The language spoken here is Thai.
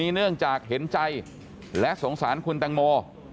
เนื่องจากเห็นใจและสงสารคุณแตงโม